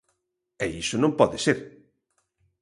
E iso non pode ser.